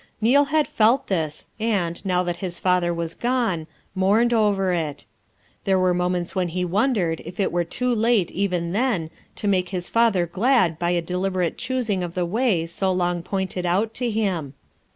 Neal had felt this and, now that his father was gone, mourned over it. There were mo ments when he wondered if it were too late even then to make his father glad by a de liberate choosing of the way so long pointed out to him.